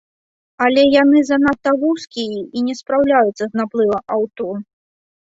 Але яны занадта вузкія і не спраўляюцца з наплывам аўто.